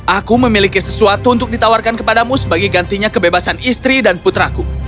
aku memiliki sesuatu untuk ditawarkan kepadamu sebagai gantinya kebebasan istri dan putraku